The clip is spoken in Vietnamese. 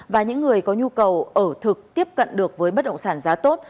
và những người có nhu cầu ở thực tiếp cận được với bất động sản giá tốt